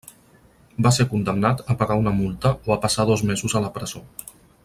Va ser condemnat a pagar una multa o a passar dos mesos a la presó.